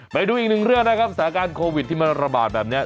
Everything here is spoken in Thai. ไปดูอีกหนึ่งเรื่องนะครับสถานการณ์โควิดที่มันระบาดแบบนี้